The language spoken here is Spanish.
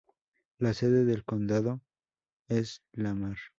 La sede del condado es Lamar.